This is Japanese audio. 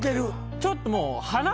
ちょっともう。